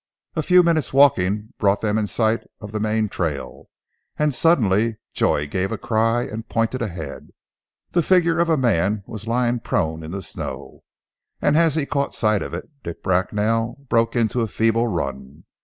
A few minutes walking brought them in sight of the main trail, and suddenly Joy gave a cry, and pointed ahead. The figure of a man was lying prone in the snow, and as he caught sight of it, Dick Bracknell broke into a feeble run.